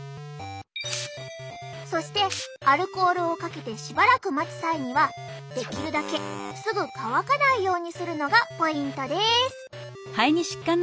そしてアルコールをかけてしばらく待つ際にはできるだけすぐ乾かないようにするのがポイントです。